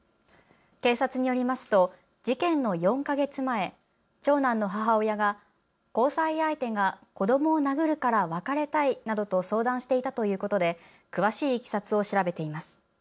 警察によりますと事件の４か月前、長男の母親が交際相手が子どもを殴るから別れたいなどと相談していたということで詳しいいきさつを調べています。